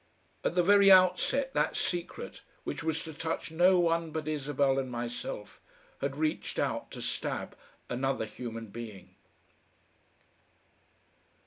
At the very outset that secret, which was to touch no one but Isabel and myself, had reached out to stab another human being.